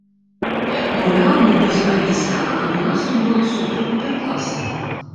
Маўляў, мы будзем рабіць так, каб у нас тут было супер-пупер класна.